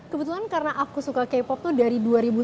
kebetulan karena aku suka k pop tuh dari dua ribu sembilan belas